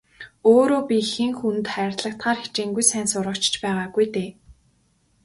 Өөрөө би хэн хүнд хайрлагдахаар хичээнгүй сайн сурагч ч байгаагүй дээ.